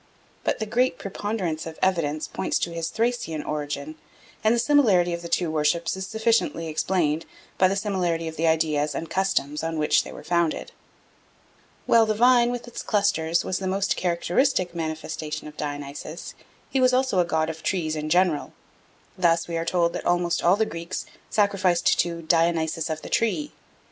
But the great preponderance of evidence points to his Thracian origin, and the similarity of the two worships is sufficiently explained by the similarity of the ideas and customs on which they were founded. While the vine with its clusters was the most characteristic manifestation of Dionysus, he was also a god of trees in general. Thus we are told that almost all the Greeks sacrificed to "Dionysus of the tree."